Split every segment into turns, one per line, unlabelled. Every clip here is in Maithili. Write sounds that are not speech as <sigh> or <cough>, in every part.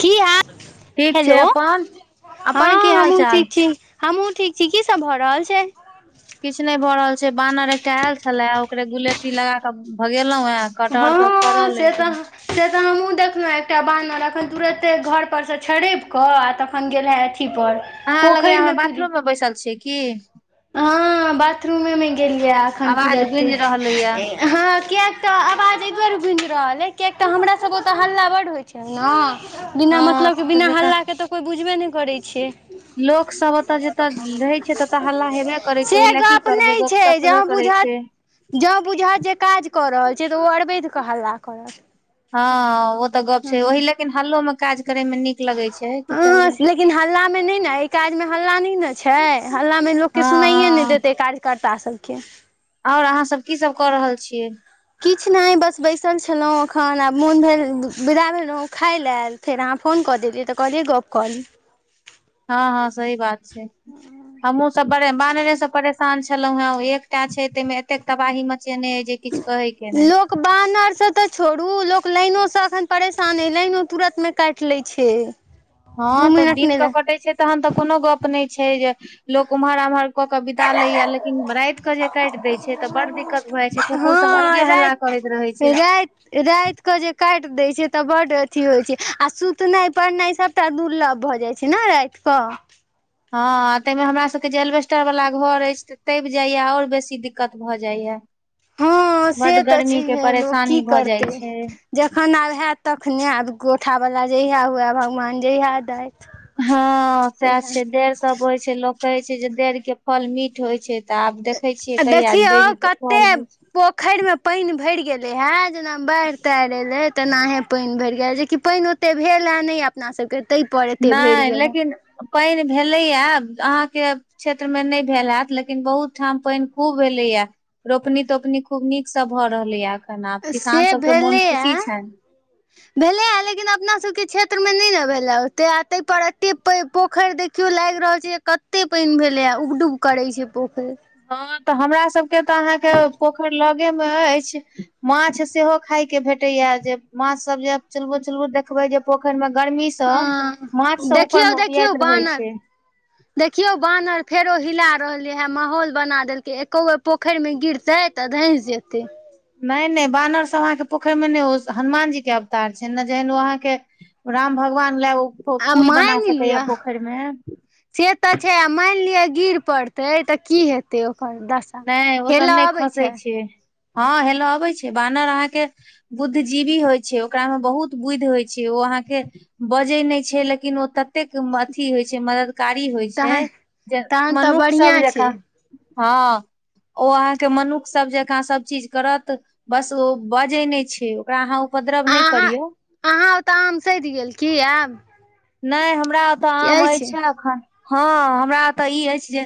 की हैं
ठीक छै
हेलो
अपन अपन की
हँ
हाल
हमहू
चाल
ठीक छी हमहहुँ ठीक छी। की सब भऽ रहल छै।
किछ न भऽ रहल छै बानर एकटा आयल छले ओकरे गुलती लगा त भगेलहुॅं हे कटहर सब
हँ
फड़ल
से
हैक
तऽ से तऽ हमहूँ देखलू एकटा बान्हर एखन तुरते घर पर से छड़पि कऽ आ तख <unintelligible> गेल हँ अथी पर
हमा लगैय
पोखरिमे
हमर
कुदि
बाथरूम मे बैसल छीयै की।
हँ बाथरूमे मे गेलियै अखन
आवाज
तुरते
गूंजि रहले ये
ह कियाक तऽ आवाज इधर गूंज रहल अैछ किय तऽ हमरा सबके ओतऽ हल्ला बड होइ छै न बिना
हँ
मतलब के बिना
जका
हल्ला के तऽ कोइ बुझबे नय करै छै
लोक सब ओतय जतय रहै छै तत हल्ला ला हेबे करै
से
छै ओहि ला की
गप
करबे गपशपबे करै छै
जब बुझत जे काज कऽ रहल छै तऽ ओ अरवैद के हल्ला करत
हँ ओ तऽ गप छै ओह लेकिन हल्लो में काज करे मे नीक लगे छै कि
हँ
<unintelligible>
लेकिन हल्ला मे नइ ने एहि काज मे हल्ला नइ ने छै हल्ला मे लोक के
हँ हँ
सुनाइये ने नय देते काज कर्ता सबके
ओर अहाँ सब की सब कऽ रहल छियै।
किछ नैय बस बैसल छेलौ अखन आ मोन भेल विदा भेलौ खाय लेल फेर आहाँ फोनऽ क देलियै तऽ कहलियै गप कली
ह ह सही बात छै हमहुँ सब बड़ बानरे सब परेशान छलहुं हें एकटा छै ते मे एतेक तबाही मचेने ह जे किछ कहै के नै।
इ सब तऽ छोड़ू लोक लाइनो से अखन परेशान हे लाइनो तुरंत मे काट ले छै। दू
हँ तऽ
मिनट
दिन
नहि
कऽ
ल
कटै छै तहन तऽ कोनो गप नहि छै। जे लोक उम्हर उम्हर कऽ के बिता लेया लेकिन राात के जे काटि देय छै तऽ बड़ड दिक्कत भए जाइ छै कुकुर सब अलगे हल्ला करैत रहे छै
रैत कऽ जे काट दैय छै तऽ बड अथी होय छै आ सुतनाय -पड़नाय सब तऽ दुर्लभ भऽ जाइ छै ने रात कऽ
हँ तायमे हमरा सबके जे एलबेस्टर वाला घर हाय तबि जाइय ओर बेसी दिक्कत भऽ जाइया।
हँ
बड
से तऽ
गर्मी के
छैहे लोक की
परेशानी भऽ जाय
करतै
छै
जखन आब हेऽत तखने आब गोठा वाला जहिया हुए भगवान जहिया देै
ह सएह छै देर सब होय छै लोक कहै छै जे देर के फल मीठ होय छै तऽ आब देखै छियै। कहिया देवी फल होय छै।
खैर मे पानि भर गेले हे जेना बाढ़ ताढ़ एले तेनाहे पानि भरि गेले जेकि पानि ओ एते भेल हे नहि अपना सबके ताहि पर एते भरि
नहि
गेल हे
लेकिन पानि भेलैएा अहाँके क्षेत्र मे नैय भेल हेत लेकिन बहुत ठाम पैन खूब भेलैया रोपनी तोपनी खूब नीक सँ भऽ रहलैए एखन आब किसान
से
सभके मोन खुशी छन
भेलैहा लेकिन अपना सब के क्षेत्र मे नै न भेले ओते तैय पर एते पोखैर देखी कातियों लागि रहल छै। कते पानि भेले य उब डूब करे छै। पोखर
हँ तऽ हमरा सबके तऽ अहाँके पोखर लगे मे अछि माछ सेहो खाय के भेटेैया जे माछ सब जे चलबु- चलबु देखबे जे पोखैर में गर्मी स
हँ
माछ से ऊपर मे हियाइत रहै छै
देखियो बानहर फेरो हिला रहले हे माहौल बना देलके एकोगो पोखरि मे गिरते। त धैस जेतै
नहि नहि बानर सब अहाँके पोखर मे नहि ओ हनुमान जी के अवतार छै ने जहन ओ अहाँके राम भगवान लए ओ
आ
पुल बना
मानि
सकैए
लिअ
पोखर मे
से तऽ छै आ मानि लिअ गिर पड़तै तऽ की हेतै ओकर
नै ओ सब
हेलऽ
नै
अबै
खसै छै हां हेले अबै छै बानर अहाँके। बुद्धि जीवी होइ छै ओकरामे बहुत बुद्धि होइ छै ओ अहाँके बजै नहि छै। लेकिन ओ ततेक अथी होइ छै। मदद कारी होइ छै।
तहन तहन तऽ
मनुष्य
बढ़िआँ
सब
छै
जकाँ हँ। ओ आहाँ के मनुख सब जेकाँ सब चीज करत बस ओ बजै नैय छै ओकरा अहाँ उपद्रव नैय
अहाँ
करियौ
अहाँ ओ तऽ आम सेध गेल की आयब
नहि हमरा ओतऽ आम अछि। एखन हँ हमरा तऽ ई अछि। जे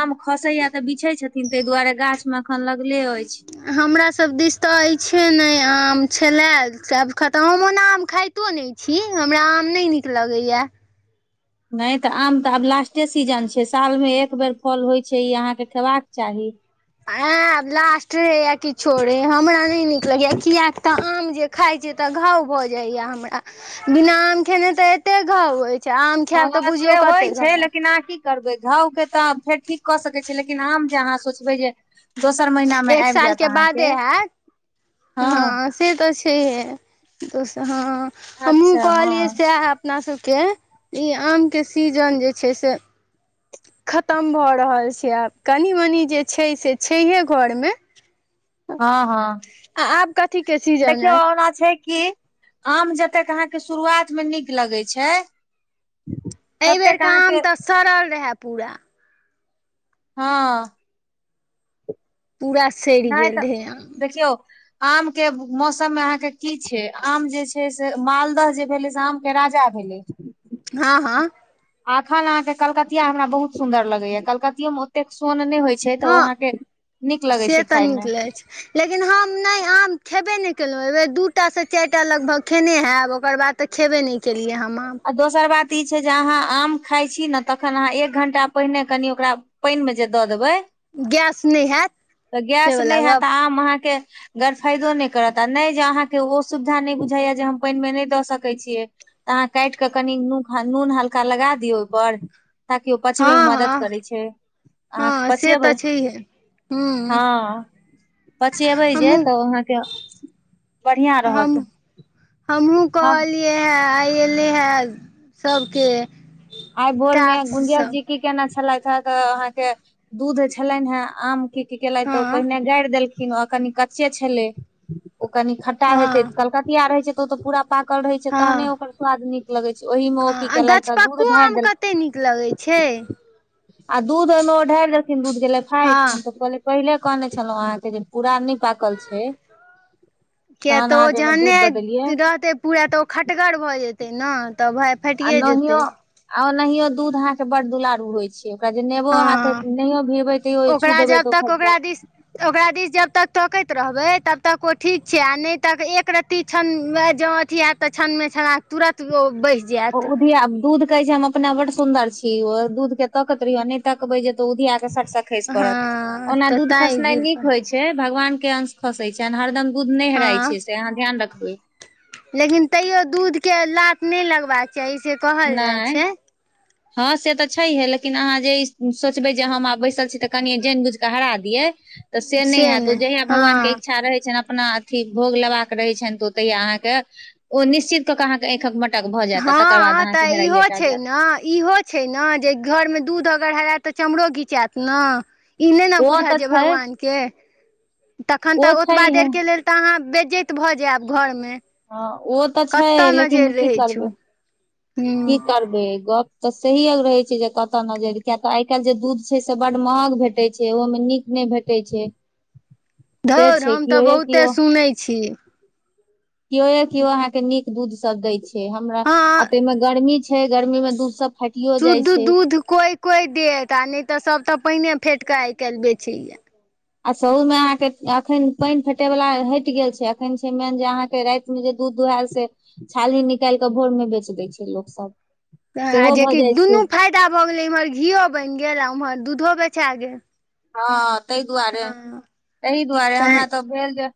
आम खसैया तऽ बिछै छथिन। तेय दुआरे गाछ मे। लागले अछिइ छै
हमरा सब दिश तऽ अछि ने आम छलै आब खतऽ हम ओना आम खाइत तो नै छिये हमरा आम नै नीक लगै या।
नहि तऽ आम तऽ आब लास्टे सीजन छै। सालमे एक बेर फल होइत छै। ई अहाँकेँ खयबाक चाहि।
आब लास्ट रे या किछो रे हमरा नहि नीक लगैया कियाकि त आम जे खाय छी तऽ घाव भऽ जाया हमरा बिना आम खेने ते एते घाव होय
हँ से होइ छै लेकिन आकि करबै घावके तऽ फेर ठीक कऽ सकै छ। लेकिन आम जे अहाँ सोचबै जे दोसर महिना मे
एक
आब जायत अहाँके हँ
हाॅं से तऽ छैहे दस हाॅं हमहूँ
अच्छा
कहलियै
हँ
सैहे। अपना सबके ई आमके सीजन जे छै से खतम भऽ रहल छै आब कनि मनि जे छै से छै हे घरमे
ह ह
आ आब कथी के सीजन
देखियौ ओना छै की। आम जतेक अहाँके शुरुआत मे नीक लगे छै
एहि बेर
ततेक
काम
अहाँके
तऽ सड़ल रहै पूरा
हँ।
पूरा सेड़
नहि
गेल
तऽ
रहे
देखियौ। आम के मौसम मे अहाँ के की छै। आम जे छै। से मालदह जे भेले से आम राजा भेलै।
हँ, हँ
अखन अहा के कलकतिया हमरा बहुत सुंन्दर लगे या कलकतियो मे ओतेक सोन नहि होय छै तऽ ओ
हँ
आहाँके नीक लगै
से
छै
तऽ
खाय
नीक
मे
लगै लेकिन हम नहि आम खेबे नहि केलहुँ एहि बेर दूटा से चारटा लगभग खेने हैब ओकर बाद खेबे नहि केलियै हम
आ दोसर बात ई छै जे अहाँ आम खाइ छी ने तखन अहाँ एक घण्टा पहिने कनि ओकरा पैन मे जे दऽ देबै
गैस नहि हैत
तऽ
से
गैस
वला
नैह हेत
गप
आम अहाँ के गरफायदो नैय करत आ नैय जे अहाँ के ओ सुविधा नैय बुझाइया जे हम पैन मे नैय दऽ सकैत छियै काट कऽ कनि नू नून हल्का लगा दियऔ ओहिपर ताकि ओ पचबे मे
हँ
मदद
हँ
करै छै अहाँके
हँ से तऽ
पचेबै
छैहे हूँ
हँ पचेबै जे
हमहूँ
तऽ अहाँ के बढ़िआँ रहत।
हम हमहूँ
हम
कहलियै हए आइ अयलै हे सभके
आइ भोर में गुंजिया जी की केन छलय ह त अहाँ के दूध छलन हे आम की की केलय त ओ
हँ
पहिने गारि देलखिन। िन कनि कच्चे छले। ओ कनी खट्टा हेते
हँ
कलकतिया रहै छै। तऽ ओ तऽ पूरा पाकल रहै छै तहने
हँ
ओकर स्वाद नीक लगै छै ओहि मे ओ की
हँ
केले
गछपक्कू
ढारि
आम
देल
कते नीक लगै छै
आ दूध ओहिमे ओ ढारि देल। दूध गेल फाट
हँ
हम तऽ कहले पहिले कहने छलहुँ अहाँके जे पूरा नइ पाकल छै।
किया
तहन
तऽ
अहाँ
ओ
जेहिमे
जहने
दूध दऽ देलियै
रहतै पूरा तऽ ओ खटगर भऽ जेतै। ने तऽ भ
आ नहियो ओनायो दूध आहा के बड़ दुलारू होयत। ओकरा जे नेबो हाथ ह
हँ
नहियो भिबै तैयो छू देबै। तऽ फेट जैत
त ओकरा दिस जब तक तकैत रहबै तबतक ओ ठीक छै आ नय तक एक र ती छन मे जों अथी आयत ते छन में छ तुरत ओ बैस
ओ उदिया दूध कहै छै हम अपना बड सुदर छी दूध के तकत रहिय नय तकबे जे ते उधिया के सट टेस पड़त
हँ
ओना
तऽ
दूध
तैं
खसनाइ
गिर पड़
नीक होय छै भगवान के अंश फसे छै हरदम दुध नहि हेराय
हँ
छै से अहाँ ध्यान रखबै
लेकिन तैयो दूध के लात नय लगबाक चाही से कहल जाइत छै
<inaudible> हँ से तऽ छैहे लेकिन अहाँ जे ई सोचबै जे हम आब बैसल छी तऽ कनि जानि बुझि कऽ हरा दियै तऽ से नय होयत ओ
ने
जहिया भगवान के
हँ
इच्छा रहै छनि अपना अथी भोग लेबा क रहै छन तऽ ओ तहिय अहाँके ओ निश्चित त कहाँ के एखक मटक भऽ जायत तकर बाद
हँ तऽ
अहाँके
इहो
हेराइए टा
छै
जायत
ने हँ इहो छै। ने जे घर मे दूध अगर हरायत तऽ चमरो घिचायत न ई नय न
ओ
बुझय
तऽ
जे
छै
भगवान के तखन
ओ
तऽ ओतबा
छैहे
देर के लेल तऽ अहाँ बेजैत भऽ जायब। घर मे
हँ ओ तऽ छै लेकिन की
रहै छौ
करबै की
हूँ
करबै गप तऽ सहीयोग रहे छै जे कत नजर किय तऽ आई काइल जे दूध छै से बड महग भेटे छै ओहो मे नीक नय भेट ते छै से
धौर
छै
हम तऽ
केओए
बहुते
केओ
सुनैत छी
केओए केओ अहाँ के नीक दूध सभ दै छै। हमरा
हँ
आ ताहिमे गर्मी छै। गर्मी मे दूधसभ
शुद्ध दुूध कोई कोय कोय देत आ नय त सब तऽ पाइने फेट के आइ काल बेचे ये
आ सहू में अहाँ के अखन पानि फेटे वाला हट गेल छै। अखन छै। मेन जे अहाँ के रायत <unintelligible> दूध दुहायल से छाली निकाल कऽ भोर मे बेच दै छै लोक सब
आ
सेहो भऽ
जेकि
जाइ छै
दुनू फायदा भऽ गेलै इम्हर घीओ बनि गेल आ उम्हर दूधो बेचा गेल
हँ तय दुआरे
हँ
तही दुआरे
तैं
हमरा तऽ भेल जे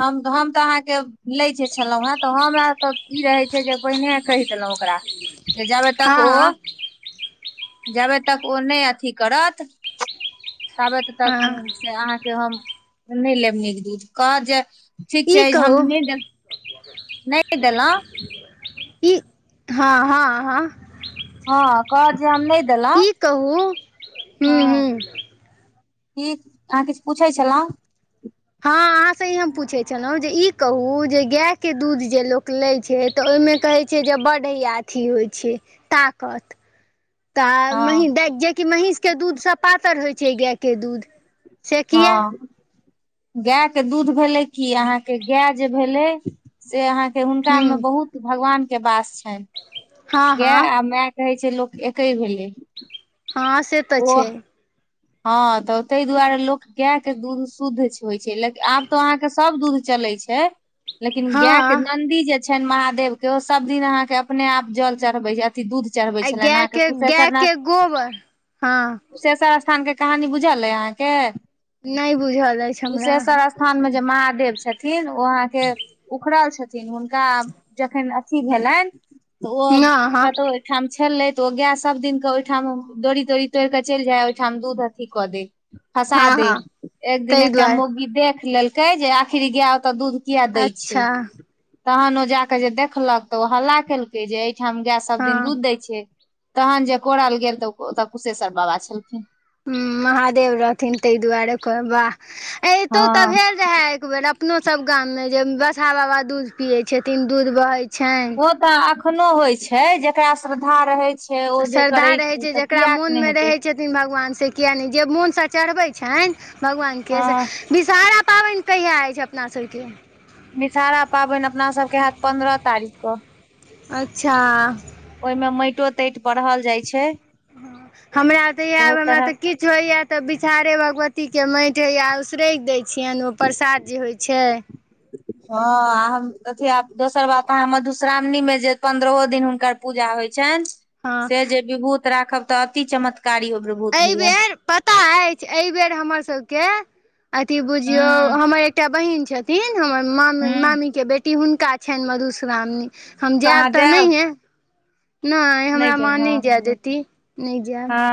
हम तऽ अहाँके लै जे छलहुं। हें तऽ हमरा तऽ की रहे छै। जे पहिने कहि देलहुं ओकरा जे जाबे तक
हँ
ओ
हँ
जाबे तक ओ नय अथी करत तबै तक
हँ
से अहाँके हम नय लेब नीक दूध कह जे ठीक
ई
छै हम
कहू
नहि देल नहि देल
ई हँ हँ हँ।
हँ कह जे हम नय
ई कहू हु हु
की अहाँ किछ पूछै छलहुँ
हँ अहाँ से पूछ छलहु। कह जे गाय के दूध जे लोक लै छै। तऽ ओहिमे कहै छै जे बड हैया अथी होइ छै ताकत तऽ मही
हँ
जेकि महीस केँ दूध से पातर होइ छै गाय केँ दूध से किया
गाय केँ दूध भेलै की अहाँकेँ गाय जे भेलै से अहाँकेँ हुनका मे
हूँ
बहुत भगवान केँ वास छैन
हँ
गाय
हँ
आ माय कहे छै लोक एके भेलै
हँ से तऽ
ओह
छै।
हँ तऽ तैय दुआरे लोक गाय केँ दूध शुद्ध होइ छै लेकिन आब तो अहाँ के सब दूध चले छै लेकिन
हँ
गाय केँ नन्दी जे छैन महादेव केँ ओ सब दिन अहाँकेँ अपने आप जल चढ़बे छै अथि दूध चढ़बै
आ
छलैन अहाँकेँ
गायके
कुशेशरनथ
गायके गोबर हँ
कुशेशर स्थान केँ कहानी बुझल ऐ अहाँकेँ
नहि बुझल अछि हमरा
कुशेश्वर स्थान मे जे महादेव छ थिन ओ अहाँकेँ उखड़ल छथिन हुनका जखैन अथी भेलैन तऽ ओ
हँ हँ
कतौ ओहिठाम छलले तऽ ओ गाय सब दिन कऽ ओहिठाम डोड़ी तोड़ी तोड़ कऽ चैल जाय ओयठाम दूध अथी कऽ दै
हँ
खसा दै
हँ
एक दिन
ताहि
एकटा
दुआरे
मौगी देख लेल कै जे आखिर ई गाय ओतऽ दूध किया दै छै
अच्छा
तहन ओ जै कऽ जे देखलक तऽ ओ हल्ला केलकै जे एहिठाम गाय सभ दिन
हँ
दूध दै छै तहन जे कोरल गेल तऽ ओतऽ कुशेश्वर बाबा छलखिन।
हुँ महादेव रहथिन तैय दुआरे कह वाह एतो
हँ
तऽ भेल रहे एक बेर अपनो सब गाम मे जे बसहा बाबा दूध पिये छथिन दूध बहे छैन
ओ तऽ अखनो होइ छै। जेकरा श्रद्धा रहे छै ओ जे
श्रद्धा
करै
रहै
छै तऽ
जकरा
कियाक
मोन
नय
मे
हेतै
रहै छथिन भगवान से किया नय जे मोनसँ चढ़बै छैन भगवानकेँ
हँ
से विषहरा पाबैन कहिया होइ छै अपना सबकेँ
विषहारा पाबैन अपना सब केँ होयत पन्द्रह तारीख कऽ
अच्छा
ओय मऽ माइटो ताइट परहल जाइ छै।
हमरा ओतऽ याब
बहुत
हमरा तऽ
तरहक
किछ कुछ होइया तऽ बिसहारे भगवती केँ माइट हैया उसरैग देय छियैन ओ प्रसाद जे होइ छै
हँ हम अथी आब दोसर बात अहाँ मधुश्रावणी मे जे पन्द्रहो दिन हुनकर पूजा होइ छैन
हँ
से जे बिभूत राखब तऽ अति चमत्कारी ओ विभूत होइ यऽ
एहिबेर पता अछि एयबेर हमर सब केँ अथी बुझियौ
हूँ
हमर एकटा बहिन छ थिन हमर मामी
हूँ
मामी केँ बेटी हुनका छैन मधुश्रामणी हम जैब
अहाँ
तऽ
जायब
नहिए नय
नहि
हमरा माँ
जायब
नय
हँ
जैय देती नय जैब
हँ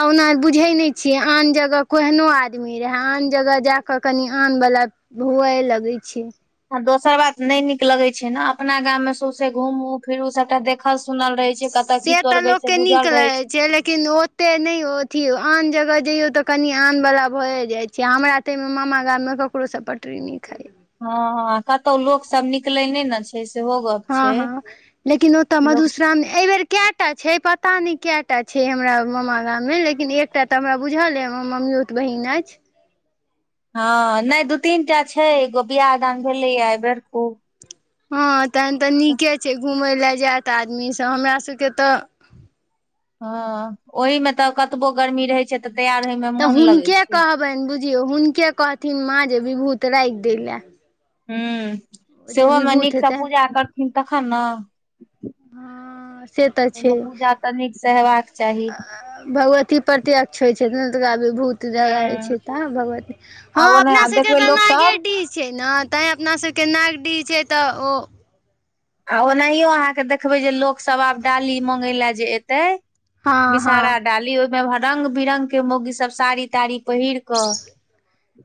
आ ओना बुजहै नय छियै आन जगह कोहनो आदमी रहै आन जगह जैय कऽ कनि आनवला हुए लगै छै
आ दोसर बात नय नीक लगे छै नऽ अपना गाम मे सौसे घूमू फिरु सबटा देखल सुनल रहै छै कतऽ की
से तऽ
तोड़बै
लोक
से
केँ नीक
बुझल रहै
लगै छै लेकिन ओ ओते नय अथी आन जगह जइयौ तऽ कनि आनवला भए जाइ छै हमरा तैय मऽ मामा गाम मे ककरो सँ पटरी नय खाइ यऽ
हँ हॅं कतौ लोक सब निकलै नै ने छै। कैसे होगा <unintelligible>
हँ हँ लेकिन ओतऽ मधुश्राम एहि बेेर केटा छै। पता नै केटा छै। हमरा मामा गाम मे लेकिन एकटा ते हमरा बुझल मैं हमर ममियो त बहिन अछि
हँ नै दू तीन टा छै एगो बियाह दान भेलै अइबेर ओ
हँ तहन तऽ नीके छै घुमय लऽ जेयत आदमी सब हमरा सबके तऽ
हँ ओहि में तऽ कतबो गर्मी रहै छै त तैयार होय मे
तऽ
मोन लगै
हुनके
छै
कहबैन बुझियौ। हुनके कहथिन माँ जे विभूत रैख दै लऽ
हुॅं सेहोमे
विभूत
नीकसँ
हेतै
पूजा करथिन तखन ने
ह से तऽ छै
ओहिमे पूजा तऽ नीक से हेबाक चाही
आ भगवती पर एतेक अच्छ होइ छै ने विभूत <inaudible> <unintelligible> तंय छै
हूँ
भगवती ह
आब ओना
अपना
आब
सबके
देखबै
तऽ
लोक सब
नागेडिह छै ने तै अपना सबके नागडीह छैय तऽ ओ
आ ओनाहियो अहाँके देखबै जे लोकसभ आब डाली मगय लए जे एतै
हँ
बिषहारा
हँ
डाली ओहिमे रंग बिरंग के मोगी सब साड़ी ताड़ी पहिर कऽ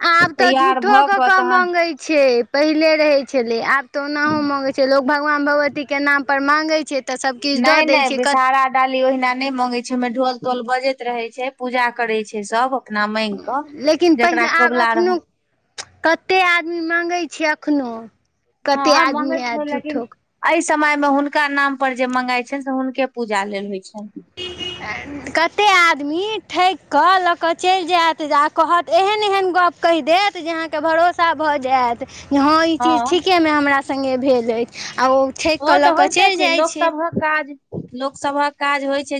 आब तऽ
तैयार
झूठो
भऽ
क
कऽ
क
तहन
मंगै छेय पहिले रहै छले आब तऽ ओनाहू माँंगे छल लोक भगवान भगवतीके नामपर माँगै छै तऽ सभकिछ
नहि
दऽ दै
नहि
छै क
विषहारा डाली ओहिना नै मंगे छै ओहिमे ढोल टोल बजैत रहे छै पूजा करै छै सब इतना मैंग कऽ
लेकिन
जकरा
पहिले आब
कबुला रह
एखनो कते आदमी माँगै छै एखनो कते आदमी एयत झूठोक
एय समय मे हुनका नाम पर जे मंगाई छैन से हुनके पूजा लेल होइ छैन
कते आदमी ठैक कऽ लऽ कऽ चैल जेयत आ कहत एहन एहन गप्प कैह देत जे अहाँके भरोसा भऽ जेएत जे हँ ई चीज ठीकेमे हमरा संगे भेल अछि आ ओ ठैक
ओ
केऽ लऽ
तऽ
कऽ
होइते
चैल जाय
लोक
छै
सभक काज लोक सभहक काज होय छै